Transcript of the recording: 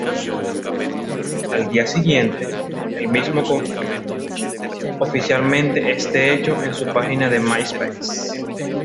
Al día siguiente, el mismo confirmó oficialmente este hecho en su página de Myspace.